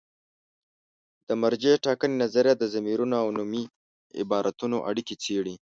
د مرجع ټاکنې نظریه د ضمیرونو او نومي عبارتونو اړیکې څېړي.